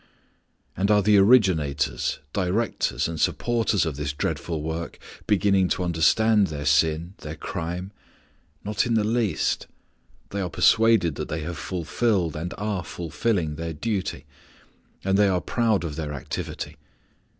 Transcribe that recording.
And are the originators, directors, and supporters of this dreadful work beginning to understand their sin, their crime? Not in the least. They are quite persuaded that they have fulfilled, and are fulfilling, their duty, and they are proud of their activity.